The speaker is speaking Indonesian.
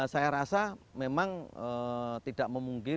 saya rasa memang tidak memungkinkan